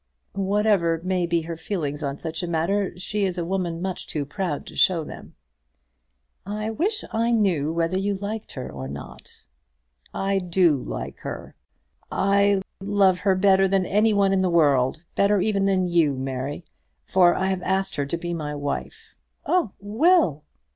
"Whatever may be her feelings on such a matter, she is a woman much too proud to show them." "I wish I knew whether you liked her or not." "I do like her, I love her better than any one in the world; better even than you, Mary; for I have asked her to be my wife." "Oh, Will!"